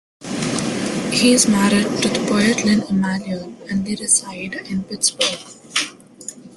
He is married to the poet Lynn Emanuel and they reside in Pittsburgh.